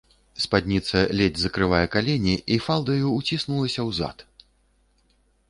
Спадніца ледзь закрывае калені і фалдаю ўціснулася ў зад.